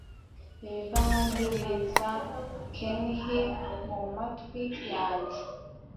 Ibiva hanze biza kenhi mumatwi yanjye,